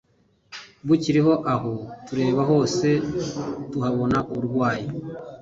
bukiriho. Aho tureba hose tuhabona uburwayi,